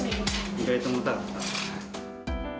意外と重たかった？